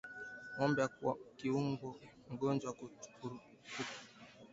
Ngombe akiugua ugonjwa wa ukurutu uzalishaji wa maziwa hupungua